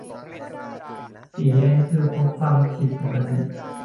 - สีแดงคือ พบความผิดปกติ